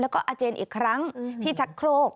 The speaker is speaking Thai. แล้วก็อาเจนอีกครั้งที่ชักโครก